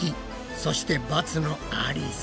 そしてバツのありさ。